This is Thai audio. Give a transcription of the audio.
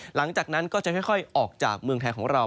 หลังจากนั้นก็จะค่อยออกจากเมืองไทยของเรา